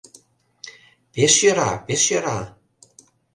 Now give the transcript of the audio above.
— Пеш йӧра, пеш йӧра».